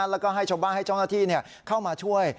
แล้วก็ให้ชาวบ้านให้เจ้าหน้าที่เข้ามาช่วย